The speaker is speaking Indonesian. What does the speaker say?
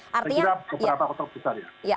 saya kira keberatan kotak besar ya